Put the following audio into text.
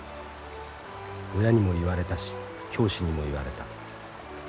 親にも言われたし教師にも言われた。